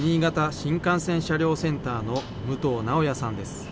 新幹線車両センターの武藤直哉さんです。